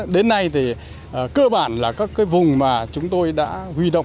đến nay thì cơ bản là các cái vùng mà chúng tôi đã huy động